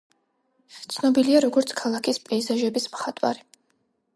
ცნობილია, როგორც ქალაქის პეიზაჟების მხატვარი.